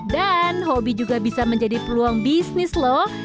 dan hobi juga bisa menjadi peluang bisnis loh